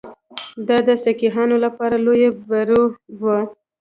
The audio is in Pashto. دا د سیکهانو لپاره لوی بری وو.